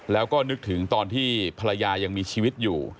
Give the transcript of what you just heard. แล้วก็นึกถึงตอนที่ภรรยายังมีชีวิตอยู่